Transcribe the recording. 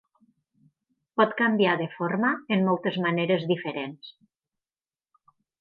Pot canviar de forma en moltes maneres diferents.